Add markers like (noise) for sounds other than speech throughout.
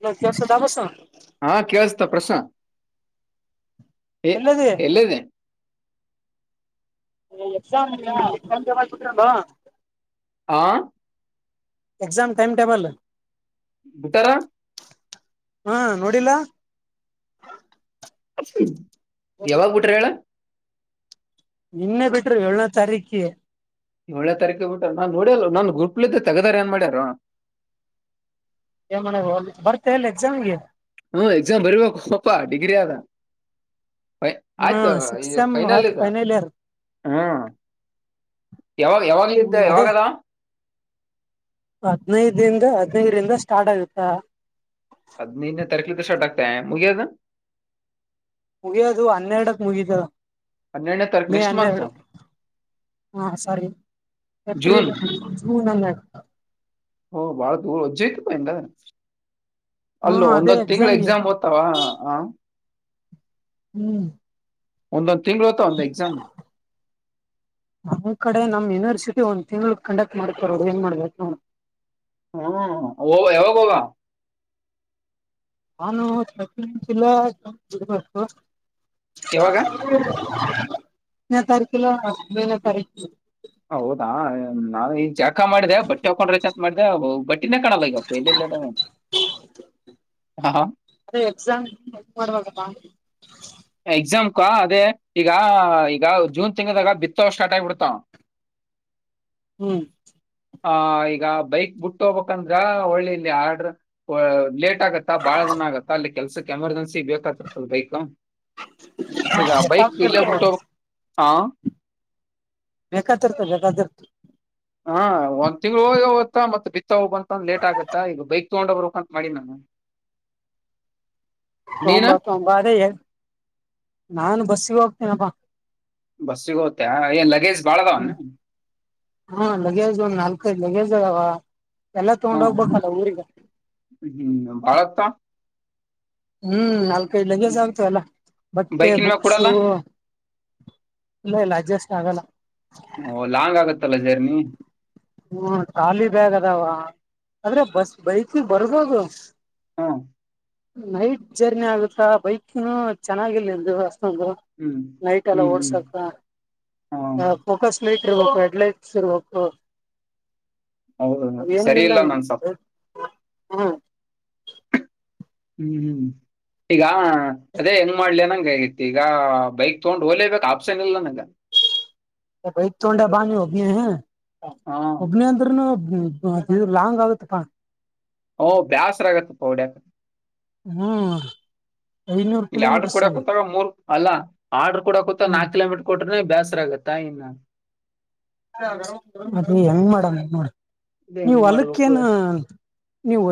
Hello ಕೇಳ್ತದ bus ಹಾ ಕೇೇಳಳ್ಸ್ತ ಪ್ರಶ್ನಾತ್ ಹ ಎಲ್ಲನೆೇ ಹ ಎಕ್ಸಾಮ ಒಚವಾಗಿಾಮ ಆ (unintelligible) ಎಕ್ಸಾಮ ಟೈಮಟೇಬಲ್ ಟರ ಹಾ ನೋಡಿಲ್ಲ. ಹ ಯಾವಾಗ್ ಬಿಟ್ರ ಹೇಳ ಇನ್ನೆ ಬಿಟರು ಏಳ್ನೇ ತಾರೀಕಿ ಒಳ್ಳೆ ತಾರೀಕ ಬಿಟ ನಾನ್ ನೋಡ್ಯಲ್ ನನ್ ಗುಟ್ಳಿದ್ದೆ ತಗದಾರ ಏನ್ ಮಾಡ್ಯಾರ ಏ ಮಾಡಣ ಅಲ್ಲಿ ಬರ್ತ ಎಲ್ಲಿ ಎಕ್ಸಾಮ್ಗೆ ಹ್ಮ ಎಕ್ಜಾಮ ಭರಿ ಬ ಪಪ್ಪ ಡಿಗ್ರಿ ಆದದ ಹಾ ಆಯ್ತ ಸಿಕ್ಸ್ ಸೆಮ್ ೈನಲ್ ಆಯ್ತು ಇತ ಫೈನಲ್ ಇಯರ್ ಹ್ಮ್ ಯಾವಾಗ ಯಾವಾಗ ಇದ್ದ ಯಾವಾಗಲ್ಲ ಹದ್ನನೈದಿಂದ ಹದ್ನನೈರಿಂದ ಸ್ಟಾರ್ಟ್ ಆಗುತ್ತ (unintelligible) ಅದನ ತರಕ ತ ಸಟಕಾ ಮುಗಿಯ ಮುಗಿಯೋದು ಹನ್ನೆರಡಕ್ ಮುಗಿತದ ಹನ್ನೆರಡನೇ ತಾರೀಕು ಮೇ ನೆಕ್ಸ್ಟ್ ಮಂತ್ ಹನ್ನೆರಡು ಹ ಸರಿ ಜೂನ್ ಏಪ್ರಿಲ್ ಜೂನ್ ಹನ್ನೆರಡು (unintelligible) ಹ ಹ ಬಾಳ ದೂರ ಹೊಜ್ಜಯತ ಪಂದ ಹಾ ಅಲ್ಲ ಅದೇ ಒಂದೊಂದ್ ತಿಂಗಳ ಎಕ್ಸಾಮ್ಗೆ ಎಕ್ಸಾಮ್ ಓದ್ತಾವ ಹ ಹ್ಮ್ (unintelligible) ಒಂದ (unintelligible) ತಿಂಗಳು ತ ಅಂದ ಎಕ್ಸಾಮ ನಮ್ ಕಡೆ ನಮ್ ಯುನಿವರ್ಸಿಟಿ ಒಂದ್ ತಿಂಗಳ ಕಂಡಕ್ಟ್ ಮಾಡ್ಕರೋದು ಏನ್ ಮಾಡ್ಬೇಕ ನೋ ಹ್ಮ್ ಹ ಯಾವಾಗಾಗೋಗ ನಾನು ಚಿಲ್ಲು ಹ್ಮ್ಮ್ ಯಾವಾಗ ಎ ತಾರಕಲ ಹೌದಾ (unintelligible) ನಾವ ಈಗ ಜಾಕ ಮಾಡಿದೆೆ ಬಟ್ಟೆ ಹಕೊಂಡ್ರೆ ಚತ್ ಮಾಡಿದೆ ಬಟ್ಟೆ ಇ ಕಣಾಲಗಪ್ಪ ಎಲ್ಲ ಇಲ್ಲದ ಹ ಹಾ ಅದೇ ಎಕ್ಸಾಮ್ ಮಾಡ್ಬೇಕಪ್ಪಾ ಎಕ್ಸಾಮಕ ಅದೇ ಈಗ ಈಗ ಜೂನ್ ತಿಂಗದಾಗ ಬಿತ್ತ ಸ್ಟಾರ್ಟ್ ಆಗ್ಬಿಡ್ತಾವ ಹ್ಮ್ ಆ ಈಗ ಬೈಕ್ ಬಿಟ್ಟ ಹೋಗ್ಬೇಕಂದ್ರ ಒಳ್ಳೆ ಇಲ್ಲಿ ಆರ್ಡ್ರ ಲೇಟ್ ಆಗತ್ತ ಬಹಳ ದಿನ ಆಗತ್ತ ಅಲ್ಲಿ ಕೆಲ್ಸಕ್ಕೆ ಎಮರ್ಜೆನ್ಸಿ (unintelligible) ಸೀಕೀಯಾಕರ್ತದ ಬೈಕ್ (unintelligible) ಈಗ ಭೈ ಇಲ್ಲಬುಟ್ಟು ಹಾ ಬೇಕತಿರ್ತ ಬೇಕಾದರ್ತ ಹಾ ಒಂದ್ ತಿಂಗ್ ಹೋಗ ಹೋಗತ್ತಾ ಮತ್ತ ಬಿತ್ತ ಹೋಗ್ಂತಂದ ಲೇಟ್ ಆಗತ್ತಾ ಈಗ ಬೈಕ್ ತಗೊಂಡೋಗ್ರಂತ ಮಾಡಿ ನಾನು ನೀನ ತಂಬಾ ತೊಂಬ ಅದೇ ನಾನು ಬಸ್ ಶೋಗತಪ್ಪ ಬಸ್ಸಗ ಹೋತೆ ಏನ್ ಲಗೇಜ್ ಬಾಳ್ದಾವನ್ ಹ್ಮ್ ಹಾ ಲಗೇಜ್ ಒಂದ್ ನಾಲ್ಕೈದು್ ಲಗೇಜ್ ಅದಾವ ಎಲ್ಲ ತಗೊಂಡ ಹೋಗ್ಬೇಕಲ್ಲ ಊರಿಗೆ ಹ್ಮ್ ಹ್ಮ್ ಬಾಳತ್ತ (unintelligible) ಹ್ಮ್ ಅ ಕೈ ಂಜೇಜ ಆಗ್ತ ಅಲ್ಲ ಬಟ್ಟೆ ಬೈಕಿನ ಮ್ಯಾಗ ಬುಕ್ಸು ಕೊಡಲ್ಲ ಇಲ್ಲ ಇಲ್ಲ ಅಡ್ಜಸ್ಟ್ ಆಗಲ್ಲ ಓ ಲಾಂಗ್ ಆಗತ್ತಲ್ಲ ಜರ್ನಿ ಹ್ಮ ಖಾಲಿ ಬ್ಯಾಗ್ ಅದಾವ ಆದ್ರೆ ಬಸ್ ಬೈಕ ಬರ್ಬೋದುು (unintelligible) ಹಾ (unintelligible) ನೈಟ್ ಜರ್ನಿ ಆಗುತ್ತಾ ಬೈಕ ಚೆನ್ನಾಗಿಲ್ ಹ್ಮ್ ನೈಟ್ ಎಲ್ಲ ಹ್ಮ್ ಹ್ಮ್ ಓಡ್ಸಕ ಹ ಫೋಕಸ್ ಲೈಟ್ (inaudible) ಸಿರ್ಮಕ್ಕ ಹೌದ ಸರಿ ಇಲ್ಲ ನನ್ಸ ಹ್ಮ (unintelligible) ಹ್ಮ್ ಹ್ಮ್ ಈಗ ಅದೇ ಹೆಂಗ್ ಮಾಡ್ಲ ನಂಗಗತಿ ಈಗ ಬೈಕ್ ತಗೊಂಡ್ ಓಲೇಬೇಕಕ್ ಆಪ್ಷನ್ ಇಲ್ ನಂಗ ಭ ತಟೋೊಂಡೊಂಡಾ ಬಾಾನೆೋಬ ಹಾ ಅಭಿನಯಂತರನ ಹ್ಮ್ ಲಾಂಗ್ ಆಗುತ್ತಪ್ಪಾ (unintelligible) ಹ ಬ್ಯಾಾಸರಾಗ ಪಹಢಕ ಹ್ಮ್ ಐನೂರು ಇಲ್ಲಿ ಆರ್ಡ್ರ ಕಿಲೋಮೀಟರ್ಸ್ ಅಲ್ಲ ಕೊಡೊತ್ತಾಗ ಮೂರ್ ಅಲ್ಲ ಆರ್ ಕೂಡೂಾ ಹ್ಮ್ ನಾಕ್ ಕಿಲೋಮೀರ್ ಕೊಟ್ರೆ (unintelligible) ಬ್ಯಾಸ್ರಾಗತ್ತಾ ಇನ್ನು ಅದ ಹೆಂಗ್ ಮಾಡ ಹೆಂಗ ಮಾಡ ಇದ್ ನೀವು ಹೆಂಗ್ ಮಾಡ್ಬೇಕು ಅಲಕ್ಕೇನ ನೀವು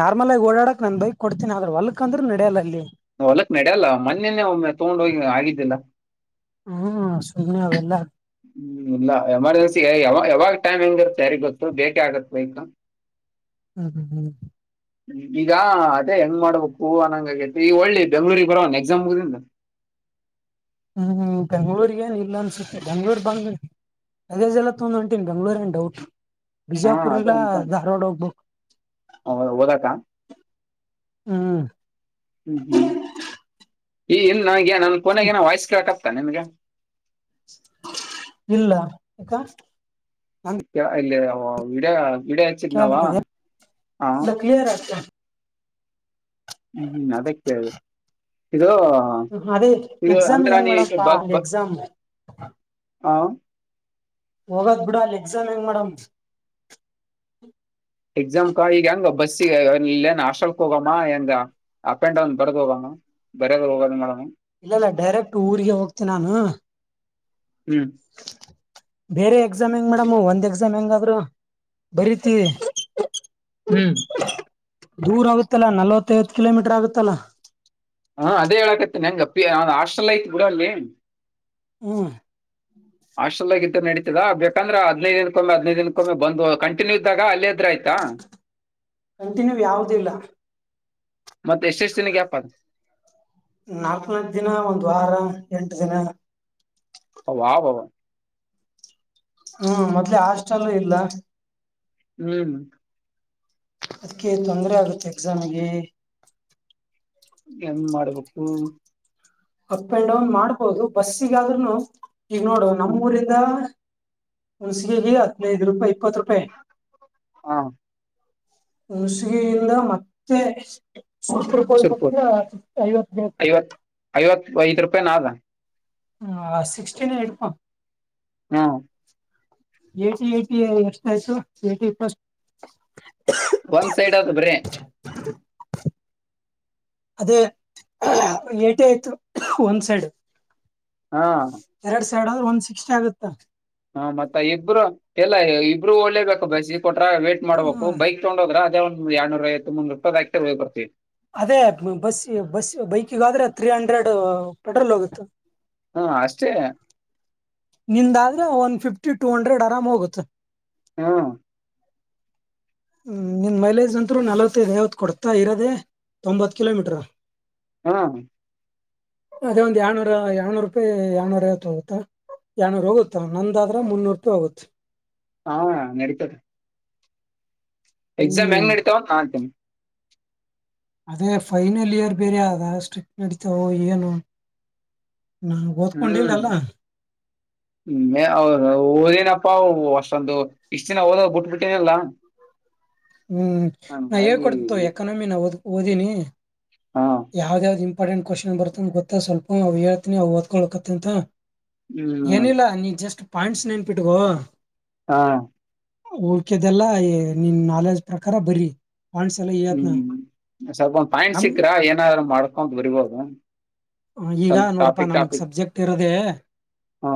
ನಾರ್ ನಮಲೆ ಓಡಾಡಕ್ ನನ್ ಬೈಕ್ ಕೊಡ್ತೀಿ ಅ ಆದ್ರ ಹೊಲಕ್ ಅಂದ್ರ ನಡೆಯಲ್ಲ ಅಲ್ಲಿ ಹೊಲಕ್ ನಡ ಅಲ್ಲ ಮೊನ್ನೆನ್ನೆ ಒಮ್ಮೆ ತಗೊಂಡ್ ಹೋಗಿ ಆಗಿದ್ದಿಲ್ಲ ಹ್ಮ್ ಸುಗ್ನೆ ಅವೆಲ್ಲ ಹ್ಮ್ ಇಲ್ಲ ಎಮರ್ಜೆನ್ಸಿ ಯಾವ ಯಾವಾಗ ಟೈಮ್ ಹೆಂಗಿರುತ್ತೆ ಯಾರಿ ಗೊತ್ತು ಬೇಟಿ ಆಗಕ ಬೇಕ (unintelligible) ಹ್ಮ್ ಹ್ಮ್ ಹ್ಮ್ ಈಗ ಅದೇ ಹೆಂಗ್ ಮಾಡ್ಬೇಕು ಅನ್ನಂಗಗೇತಿ ಈಗ ಒಳ್ಳಿ ಬೆಂಗ್ಳೂರಿಗೆ ಬರವನ್ ಎಕ್ಸಾಮ್್ದಿಂದ ಹ್ಮ್ ಬೆಂಗ್ಳೂರ್ ಏನ್ ಇಲ್ಲ ಅನ್ಸುತ್ತೆ ಬೆಂಗ್ಳೂರ್ ಬಂಗ್ ಅದೇಜ್ ಎಲ್ಲ ತೊಂದ ಹೊಂಟನ್ ಬೆಂಗ್ಳೂರ್ ಏನ್ ಡೌಟ್ ಹಾ ಬಿಜಾಪುರ್ ಅದೇ ಎಲ್ಲಾ ಅನ್ಕೊಂಡ್ ಧಾರವಾಡ ಹೋಗ್ಬೇಕು ಓದಾಕ ಹ್ಮ್ ಹ್ಮ್ ಹ್ಮ್ ಈ ಇಲ್ಲ ನನಗೆ ನನ್ ಕೊನೆಗೆ ನ ವಾಯ್ಸ್ ಕೇಳ ತ ನಿಮ್ಗೆ ಇಲ್ಲ ಅಲ್ಲಿ ಹ ಈಡಾ ಕಾಗತದೆ ಕ್ಲಿಯರ್ ಆ ಹ್ಮ್ ಹ್ಮ್ ಅದಕ್ಕೆ ಕೇಳ್ದೆ ಇದು ಅದೇ ಇದು ಎಕ್ಸಾಮ್ಗೆ ಅಂದ್ರ ಹೆಂಗ್ ನೀ ಮಾಡೋಡಪ್ಪಾ ಎಕ್ಸಾಮ್ ಹ ಹಾ ಹೋಗದ್ ಬಿಡ ಅಲ್ಲಿ ಎಕ್ಸಾಮ್ ಹೆಂಗ್ ಮೇಡಮ್ ಎಕ್ಸಾಮ್ ಕಾ ಈಗ ಹಂಗಬ್ಬ ಬ ಇಲ್ಲೇನ್ ಆಸ್ಲ್ಕ್ ಹೋಗಮ್ಮ ಹೆಂಗ ಅಪ್ ಅಂಡ್ ಡೌನ್ ಬರ್ದ ಹೋಗಮ್ಮ ಬರ್ಯಾದ ಹೋಗೋದ ಮಡ ಇಲ್ಲ ಇಲ್ಲ ಡೈರೆಕ್ಟ್ ಊರ್ರಿಗೆ ಹೋಗ್ತೆ ನಾನು ಹ್ಮ್ ಬೇರೆ ಎಕ್ಸಾಮ್ ಹೆಂಗ್ ಮೇಡಮ್ ಒಂದ್ ಎಕ್ಸಾಮ್ ಹೆಂಗಾದ್ರರು ಬರಿ ರೀತಿ ಹ್ಮ್ ದೂರ ಆಗುತ್ತಲ್ಲಾ ನಲ್ವತ್ತೈವತ್ತು ಕಿಲೋಮೀಟರ್ ಆಗುತ್ತಲ್ಲಾ ಹಾ ಅದೇ ಹೇಳಾಕತ್ತನೆ ಹೆಂಗ ಅಪ್ಪಿ್ ಹಾಸ್ಟೆಲ್ ಆಯತ್ ಬಿೂಡ ಅಲ್ಲಿ ಹ್ಮ್ ಹಾಸ್ಟೆಲ್ಾಗ ಇದ್ದು ನಡೀತದ ಬೇಕಂದ್ರೆ ಹದ್ಿನೈದು ದಿನಕ್ಕೊಮ್ಮೆ ಹದಿನೈದು ದಿನಕ್ಕೊಮ್ಮೆ ಬಂದು ಕಂಟಿನ್ಯೂ ಇದ್ದಾಗ ಅಲ್ಲೇ ಇದ್ರೆ ಆಯ್ತಾ ಕಂಟಿನ್ಯೂ ಯಾವದಿಲ್ಲ ಮತ್ತೆ ಎಷ್ಟೆಷ್ಟು ದಿನಕ್ಕೆ್ಯಾಪದ ನಾಲ್ಕನ ದಿನ ಒಂದ್ ವಾರ ಎಂಟ ದಿನ ಅ ವಹ ವ ಹ್ಮ್ ಮೊದ್ಲೇ ಹಾಸ್ಟೆಲ್ಲ ಇಲ್ಲ ಹ್ಮ್ ಅದಕ್ಕೆೇ ತೊಂದರೆ ಆಗುತ್ತೆ ಎಕ್ಸಾಮಿಗೆ ನ್ ಮಾಡ್ಬೇಕು ಅಪ್ ಅಂಡ್ ಡೌನ್ ಮಾಡ್ಬೋದು ಬಸ್ಸಿಗಾದ್ೂನು ಈಗ ನೋಡು ಹ್ಮ್. ನಮ್ಮೂಊರಿಂದ ಉನ್ಸಿಲಿಗಿ ಹನೈದ್ರೂಪೆ ಇಪ್ಪತ್ರೂಪೆ ಹಾ ಹಣಸಿಗೆಯಿಂದ ಮತ್ತೆ ಸಪ ಸುರ್ಪುರ್ ಐವತ್ತು ಐವತ್ ಐವತ್ ಐದ್ ರೂಪಾಯಿ ನಾಲ್ ಹ್ಮ ಸಿಕ್ಸ್ಟೀನ್ ಎಡ್ಪ ಹಾ ಏಟಿ ಏಟಿ ಎಷ್ಟ ಆಯ್ತು ಏಟಿ ಪ್ಲಸ್ ಒಂದ್ ಸೈಡ್ ಆದದು ಬ್ರೆ (unintelligible) ಅದೇ ಏಟೆ ಆಯ್ತು ಒಂದ್ ಸೈಡ್ ಹಾ ಎರಡ್ ಸೈಡ್ ಆದ್ರ ಒನ್ ಸಿಕ್ಸ್ಟಿ ಆಗುತ್ತಾ ಹಾ ಮತ್ತ ಇಬ್ಬರು ಎಲ್ಲಾ ಇಬ್ರು ಒಳ್ಳೇಬೇಕ ಬಸಿ ಕೊಟ್ರ ವೇಟ್ ಮಾಡಬೇಕು ಬೈಕ್ ತಗೊಂಡ ಹೋದ್ರ ಒಂದ್ ಎಡ್ನೂರ ಐವತ್ ಮೂರುೂಪದ ಹ ಆಗ್ತಿರ್್ ಬರ್ತವಿ, ಅದೇ ಬಸ್ ಬಸ್ ಬೈಕಗಾದ್ರೆ ತ್ರೀ ಹಂಡ್ರೆಡ್ ಪೆಟ್ರೋಲ್ ಹೋಗುತ್ತೆ ಹಾ ಅಷ್ಟೇ ನಿಂದಾದ್ರೆ ಒನ್ ಫಿಫ್ಟಿ ಟೂ ಹಂಡ್ರೆಡ್ ಆರಾಮ್ ಹೋಗುತ್ತೆ. ಹಾ ಹ್ಮ ನಿನ್ ಮೈಲೇಜ್ ಅಂತರೂ ನಲವತ್ತೈದು ಐವತ್ತು ಕೊಡತಾ ಇರದೆೇ ತೊಂಬತ್ತು ಕಿಲೋಮೀಟ್ರ ಹಾ ಅದೇ ಒಂದ ಏಳ್ನೂರ ಏಳ್ನೂರು ರೂಪಾಯಿ ಏನೂರ ಐತ್ತು ಹೋಗುತ್ತಾ ಏನೂರ ಹೋಗುತ್ತಾ ನಂದಾದ್ರ ಮುನ್ನೂರು ರೂಪಾಯಿ ಹೋಗುತ್ತ ಹಾ ನಡೀತದ, ಎಕ್ಸಾಮ್ ಹೆಂಗ್ ಹ್ಮ್ ನಡತಾವ ನಾ ಅಂತೀನಿ? ಅದೇ ಫೈನಲ್ ಇಯರ್ ಬೇರೆ ಅದ ಸ್ಟ್ರಿಕ್ ನಡತಾವ ಏನು? ನಾನು ಹ್ಮ್ ಓದ್ಕೊಂಡಿಲ್ಲಲ್ಲ ಓದಿನ ಪಾವು ಅಷ್ಟೊಂದು ಇಷ್ಟ್ ದಿನ ಓದ್ ಬಿಟ್ಬಿಟ್ಟೇನಲ್ಲ, ಹ್ಮ್ ನಾ ಹೇ ಕೊಡ್ತವ ಎಕನಮಿ ನಾವುದು ಒ ಓದ ನೀ ಹ ಯಾವ್ದ ಯಾವ್ದ ಇಂಪಾರ್ಟೆಂಟ್ ಕ್ವಶನ್ ಬರ್ತ್ತತಂತ ಗೊಾ ಸ್ವಲ್ಪ ಅವವು ಹೇಳ್ತಿನಿ ಅವು ಒದ್ಕಳ್ೋಕತ್ತ ಅಂತ ಹ್ಮ್ ಎನಿಲ್ಲಾ ನೀ ಜಸ್ಟ್ ಪಾಯಿಂಟ್ಸ್ ನೆನಪ ಇಟಕೋ ಹಾ ಉಲ್ಕದೆಲ್ಲ ನಿನ್ ನಾಲೆಜ್ ಪ್ರಕಾರ ಬರೀ ಹ್ಮ್ ಸ್ವಲ್ಪ ಒಂದ ಪಾಯಿಂ ನಮ್ ಸಿಿಕ್ರಾ ಏನಾದ ಮಾಡ್ಕೊಂತ ಬರ್ಬೋದು ಈಗ ನೋಡಪ್ಪಾ ನಮಗ್ ಸಬ್ಜೆಕ್ಟ್ ಇರದೆೇ ಹ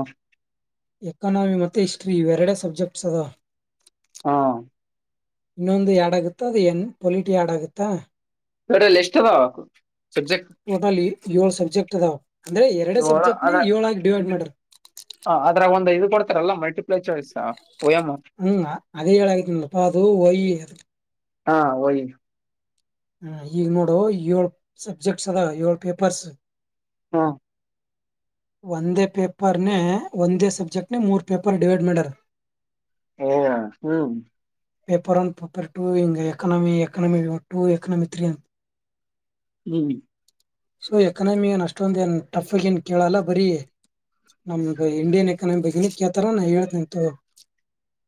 ಎಕನಮಿ ಮತ್ತು ಹಿಸ್ಟ್ರಿ ಇವೆರಡೆ ಸಬ್ಜೆಕ್ಟ್ಸ್ ಅದಾವ ಹಾ ಇನ್ನೊಂದು ಯಡಾಗುತ್ತಾ ಅದು ನ್ ಪೊಲಿಿಟ ಯಾಡಗುತ್ತಾ, ಡ ಲಿಸ್ಟ್ ಹದೆ ಸಬ್ಜೆಕ್ಟ್ ಯ ಸ ಜೆಕ್ಟ್ ತದಾ ಇ ಅದ ಮಾಡ್ಯಾರ ಅದ್ರ ಒಂದು ಇದು ಮಾಡಡ್ತಾರಲ್ಲ ಮ ಹ್ಮ್ ಅದೇ ಹೇಳಾಗತಿನಪ್ಪಾ ಅದು ಹಯಿ ಅದು ಹಾ ವಹ ಹ್ಮ ಈಗ್ ನೋಡ ಏಳ್ ಸಬ್ಜೆಕ್ಟ್ಸ್ ಅದ ಏಳ್ ಪೇಪರ್ಸ್ ಹಾ ಒಂದೇ ಪೇಪರ್ ನ ಒಂದೇ ಸಬ್ಜೆಕ್ಟ್ ನ ಮೂರು ಪೇಪರ್ ಡಿವೈಡ್ ಮಾಡರ್ ಹಓ ಹ್ಮ್ ಪೇಪರ್ ಒನ್ ಪೇಪರ್ ಟೂ ಇಂಗೆ economy economy two economy three ಅ ಹ್ಮ್ ಸೊ ಎಕನಮಿ ಏನ್ ಅಷ್ಟೊಂದ ಏನ್ ಟಫ್ಗ ಏನ್ ಕೇಳಲ್ಲ ಬರೀ ನಮ ಇಂಡಿಯನ್ ಎಕನಮಿ ಬಗ್ ಕೇಳ್ತಾರ ನಾ ಹೇಳ್ತಂತು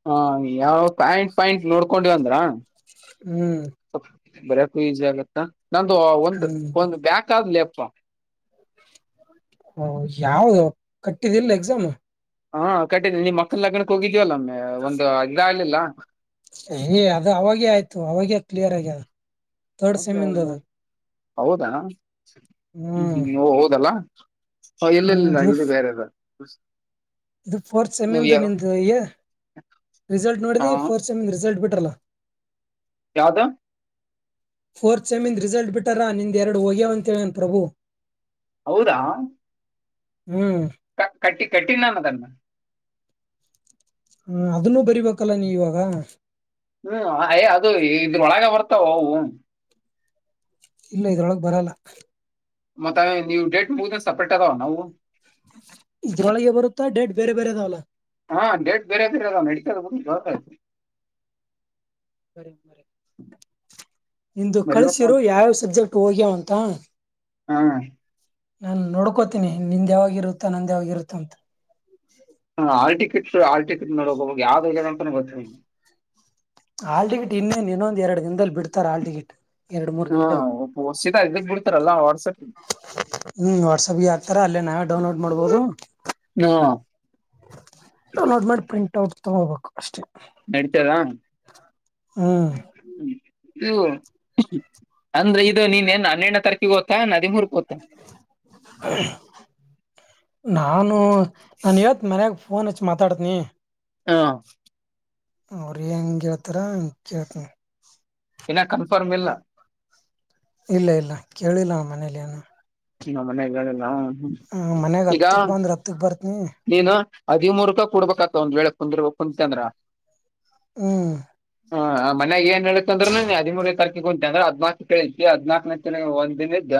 ಹಾ ಯಾವ ಪ್ಯಾಂಟ್ ಪ್ಯಾಂಟ್ ನೋಡ್ಕೊಂಡಿವಂದ್ರ ಹ್ಮ್ ಬರ್ಯಕೂ ಈಸಿ ಆಗತ್ತಾ ನಂದು ಒಂದು ಹ್ಮ್ ಒಂದು ಬ್ಯಾಕ್ ಲೇಪುವ ಹ ಯಾವ್ದ ಕಟ್ಟಿದಿಲ್ಲ ಎಕ್ಸಾಮ್ ಹಾ ಕಟ್ಟಿದಿ ನಿ ಅಕ್ಕನ ಲಗ್ನಕ್ ಹೋಗಿದೀವಲ್ಲ ಒಮ್ಮೆ ಒಂದು ಇದು ಅಗಗ್ಲಿಲ್ಲ ಯ ಅದು ಅವಾಗೆ ಆಯ್ತು ಅವಾಗೆ ಕ್ಲಿಯರ್ ಆಗ್ಯಾದ ಟ್ರಡ ಸೆಮಿಂದದು ಹೌದಾ ಹ್ಮ್ ಹ್ಮ್ ಓ ಹೌದಲ್ಲ ಹ ಹ ಇಲ್ಲ ಇಲ್ಲ ನಾ ಇದು ಬೇರೆ ಅದ ಬಸ್ ಇದು ಫೋರ್ತ್ ಸೆಮಿ ನಿ ರಿಸಲ್ಟ್ ಹ ನೋಡಿದಿ ಫೋರ್ತ್ ಸೆಮ ರಿಸಲ್ಟ್ ಬಿಟ್ಟ ಕಲ (unintelligible) ಯಾವದ ಫೋರ್ತ್ ಸೆಮಿಂದ್ ರಿಸಲ್ಟ್ ಬಿಟ್ಟರಾ ನಿಂದ ಎರಡು ಹೋಗ್ಯಾವಂತೆ ಹೇಳ್ಯನ ಪ್ರಭು ಹೌದಾ ಹ್ಮ್ ಕ ಕಟ್ಟಿ ಕಟ್ಟ ನಾನ ಅದನ್ ಹ ಹ್ಮ್ ಅಯ ಅದು ಇದ್ರೊಳಗ ಬರ್ತ (inaudible) ಹ (unintelligible) ಇಲ್ಲ ಇದ್ರೊಳಗ್ ಬರಲ್ಲ ಮತ್ತ ನೀವು ಡೇಟ್ ಮುಗಿದಿಂದ ಸಪ್ರೇಟ್ ಅಗಾವ ನಾವು ಇದ್ರೊಳಗೆ ಬರುತ್ತಾ ಡೇಟ್ತ್ತ ಬೇರೆ ಬೇರೆ ಅದಾವಲ್ಲ ಹಾ ಡೇಟ್ ಬೇರಾದರಲ್ಲ ನಡಿತಾದ ಬೀಡು (inaudible) ಬರಿ ಮರಿ ಇಂದು ಬರಿ ಕಳಿಸಿರೋ ಹಾ ಯಾವ ಸಬ್ಜೆಕ್ಟ್ ಹೋಗ್ಯಾವ ಅಂತ ನಾನ್ ನೋಡ್ಕೋತೀನಿ ನಿಂದ ಯಾವಾಗ ಇರುತ್ತಾ ನಂದ ಯಾವಾಗ ಇರುತ್ತ ಅಂತ ಹಾ ಹಾಲ್ ಟಿಕೆಟ್ ಆಲ್ ಟಿಕೆಟ್ ನೋಡ ಹೋಗಾಗ ಯಾವ್ದೇ ಜ ಬತ (unintelligible) ಆಾ ಟಿಕೆಟ್ ಇನ್ನೇನ್ ಇನ್ನೊಂದು ಎರಡು ದಿನದಲ್ಲಿ ಬಿಡ್ತಾರೆ ಆಾ ಟಿಕೆಟ್ ಎರಡ್ ಮೂರ್ ಹಾ ದಿನದಾಗ ಸೀದಾ ಇದಕ್ ಬಿಡ್ತಾರಲ್ಲ ವಾಟ್ಸಪ್ ನಾವವು ಡೌನ್ಲೋಡ್ ಮಾಡ್ಬಹದು ಹಾ ನ (unintelligible) ನೋಡ್ ಮಾಡಿ ಪ್ರಿಂಟ್ ಔಟ್ ತಗೋಬೇಕು ಅಷ್ ನಡಿತದಾಣ ಹ್ಮ್ ಹ್ಮ ಅಂದ್ರೆ ಇದು ನೀನ್ ಹನ್ನೆರಡನ ತಾರೀಕಿಗೆ ಹೋಗತ್ತಾನ ನದಿಮೂರ್ (inaudible) ನಾನು ನಾನ ಹೇಳ್ತನಿ ಮನ್ಯಾಗ ಫೋನ್ ಹಚ್ಚಿ ಮಾತಾಡ್ತನಿ ಹಾ ಅವ್ರ ಹೆಂಗ ಹಳ್ತಾರ ಅಂಗ ಕೇಳತಿನಿ ಏನ್ನ ಕನ್ಫರ್ಮ್ ಇಲ್ಲ ಇಲ್ಲ ಇಲ್ಲ ಕೇಳಿಲ್ಲ ಅವ ಮನೇಲಿ ಏನು ನಮ್ಮನೆ ಹೇಳಿಲ್ಲ ಹ ಮನ್ಯಾಗ ಈಗ ಹತ್ತಕ್ ಬಂದ್ರ ಹತ್ತಕ್ ಬರ್ತ್ನಿ ಹದಿಮರುೂಪಾಯಿ ಕೊಡ್ಬೇಕಕ್ತ ಒಂದ್ ವೇಳೆ ಕುಂದ್ರಯ್ಯ ಕುಂತ ಅಂದ್ರ ಹ್ಮ್ ಹ ಮನ್ಯಾಗ ಏನ್ ಹೇಳಿತಂದ್ರು ಹದಿಮೂರನೇ ತಾರಕ ಯಂದ್ರೆ ಹದ್ನಾಕು ಕೇಳಿತಿ ಹದ್ನಾಾಕನೇ ತಿ ಒಂದ ದಿನ ಇದ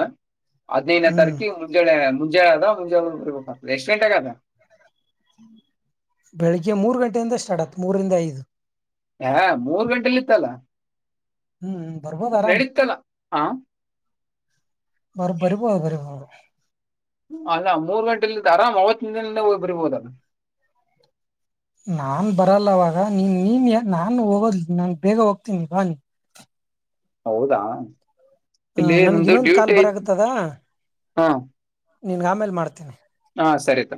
ಹದಿನೈನೇ ಹ್ಮ್ ತಾರೀಕ ಮುಂಜಳೆ ಮುಂಜೆ ಅದ ಮುಂಜೆ ಬರ್ಬೇಕ ಎಷ್ಟು ಗಂಟೆಗೆ ಆಗದ ಬೆಳಿಗ್ಗೆ ಮೂರ್ ಗಂಟೆಯಿಂದ ಸ್ಟಾರ್ಟ್ ಆತ ಮೂರರಿಂದ ಐದು ಹಾ ಮೂರ್ ಗಂಟೆಲಿ ಇತ್ತಲ್ಲ ಹ್ಮ್ ಬರಬೊದ ಆರಾಮ್ ಹಾ ಮಾರ ಬರುಮ ಬರುಮ ಅಲ್ಲ ಮೂರು ಗಂಟೆಲಿ ಆರಾಮ್ ಅವತ್ತ ದಿನ ಹಲ ಬಿರ್ಬೋದಲ್ಲ ನಾನ್ ಬರಲ್ಲವಾಗ ನೀನ್ ನೀನ್ ನಾನು ಹೋಗೋದ್ ನಾನ್ ಬೇಗ ಹೋಗ್ತೀನಿ ಬ ನೀ ಹೌದಾ ಇಲ್ಲಿ ನನ್ಗೆ ನಮ್ದು ಇನ್ನೊಂದ್ ಕಾಲ್ ಡ್ಯೂಟಿ ಐ ಹ ನಿಿನಗೆ ಆಮೇಲೆ ಮಾಡ್ತೀನಿ ಹಾ ಸರಿತೊ